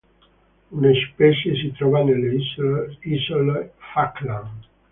Una specie si trova nelle Isole Falkland.